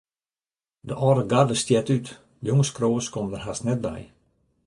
De âlde garde stjert út, jonge skriuwers komme der hast net by.